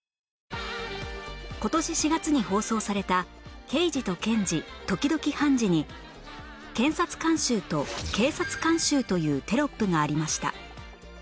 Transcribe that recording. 今年４月に放送された『ケイジとケンジ、時々ハンジ。』に「検察監修」と「警察監修」というテロップがありました